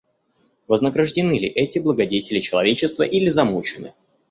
Вознаграждены ли эти благодетели человечества или замучены?